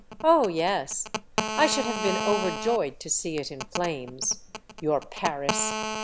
Oh, yes ! I should have been overjoyed to see it in flames — your Paris.